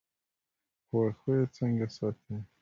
په واښو یې څنګه ساتې.